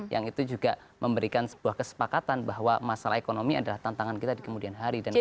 yang itu juga memberikan sebuah kesepakatan bahwa masalah ekonomi adalah tantangan kita di kemudian hari dan